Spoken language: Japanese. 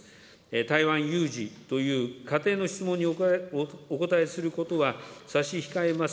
台湾有事という仮定の質問にお答えすることは差し控えます。